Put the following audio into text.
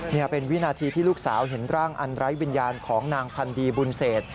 นี่เป็นวินาทีที่ลูกสาวเห็นร่างอันไร้วิญญาณของนางพันดีบุญเศษ